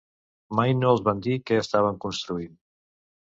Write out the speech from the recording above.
Mai no els van dir què estaven construint.